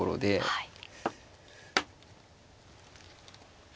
はい。